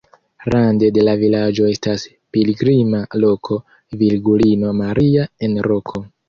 Rande de la vilaĝo estas pilgrima loko virgulino Maria en roko.